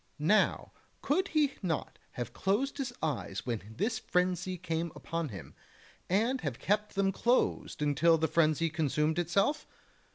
Now could he not have closed his eyes when this frenzy came upon him, and have kept them closed until the frenzy consumed itself?